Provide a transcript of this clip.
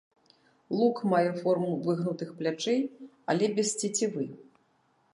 Лук мае форму выгнутых плячэй але без цецівы.